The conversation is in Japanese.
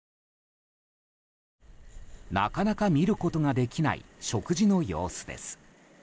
なかなか見ることができない食事の様子です。